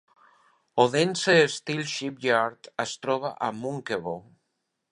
Odense Steel Shipyard es troba a Munkebo.